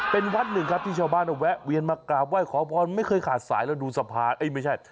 เป็นวัดหนึ่งครับที่ชาวบ้านแวะเวียนมากราบไหว้ขอพรไม่เคยขาดสายแล้วดูสะพานเอ้ยไม่ใช่